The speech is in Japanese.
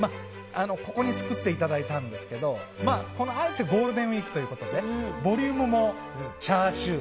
ここに作っていただいたんですがあえてゴールデンウィークということでボリュームもチャーシュー。